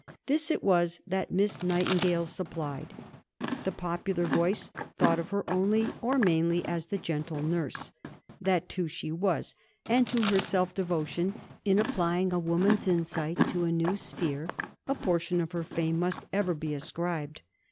This it was that Miss Nightingale supplied. The popular voice thought of her only or mainly as the gentle nurse. That, too, she was; and to her self devotion in applying a woman's insight to a new sphere, a portion of her fame must ever be ascribed.